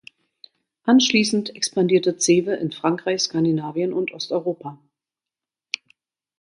Anschließend expandierte Cewe in Frankreich, Skandinavien und Osteuropa.